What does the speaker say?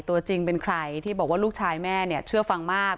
ตัวจริงเป็นใครที่บอกว่าลูกชายแม่เนี่ยเชื่อฟังมาก